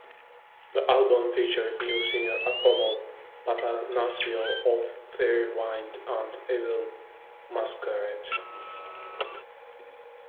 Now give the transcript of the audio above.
The album featured new singer Apollo Papathanasio of Firewind and Evil Masquerade.